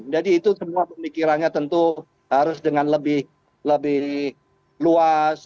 jadi itu semua pemikirannya tentu harus dengan lebih lebih luas